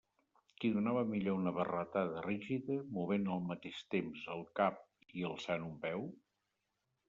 Qui donava millor una barretada rígida, movent al mateix temps el cap i alçant un peu?